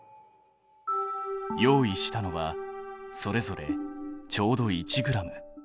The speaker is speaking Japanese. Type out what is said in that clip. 用意したのはそれぞれちょうど１ｇ。